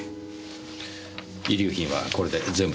遺留品はこれで全部ですか？